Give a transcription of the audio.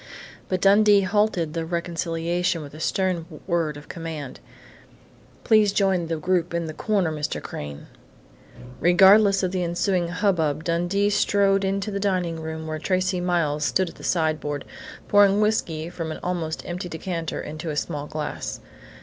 But Dundee halted the reconciliation with a stern word of command. "Please join the group in the corner, Mr. Crain!" Regardless of the ensuing hubbub Dundee strode into the dining room, where Tracey Miles stood at the sideboard, pouring whiskey from an almost empty decanter into a small glass.